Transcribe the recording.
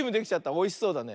おいしそうだね。